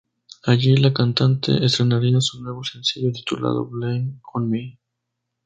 Allí la cantante estrenaría su nuevo sencillo titulado Blame On Me.